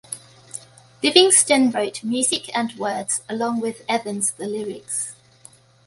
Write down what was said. Livingston wrote music and words along with Evans the lyrics.